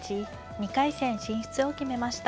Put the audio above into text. ２回戦進出を決めました。